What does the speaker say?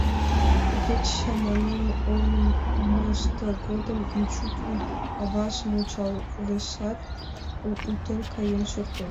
Тыге чаманен ойлымышт годым Мичу туйо аважым ончалешат, утен каен шортеш.